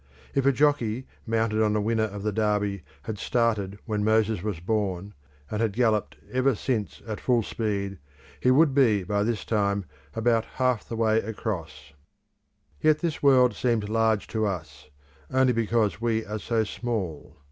If a jockey mounted on a winner of the Derby had started when Moses was born, and had galloped ever since at full speed, he would be by this time about half the way across. Yet this world seems large to us, only because we are so small.